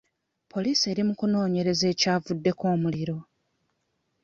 Poliisi eri mu kunoonyereza ekyavuddeko omuliro.